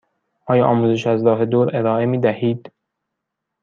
آیا آموزش از راه دور ارائه می دهید؟